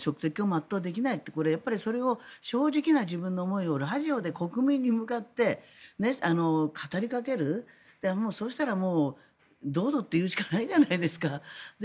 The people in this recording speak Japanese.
だって職責を全うできないという正直な自分の思いをラジオに向かって語りかけるそうしたらもう、どうぞと言うしかないじゃないですか。